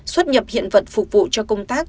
xuất nhập hiện vật phục vụ cho công tác